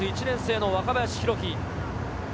１年生の若林宏樹。